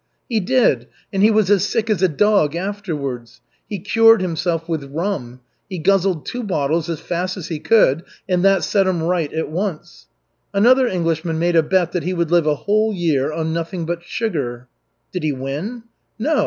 "He did. And he was as sick as a dog afterwards. He cured himself with rum. He guzzled two bottles as fast as he could, and that set him right at once. Another Englishman made a bet that he would live a whole year on nothing but sugar." "Did he win?" "No.